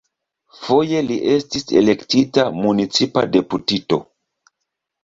Foje li estis elektita municipa deputito.